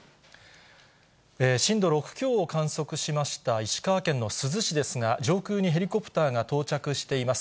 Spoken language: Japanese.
震度６強を観測しました石川県の珠洲市ですが、上空にヘリコプターが到着しています。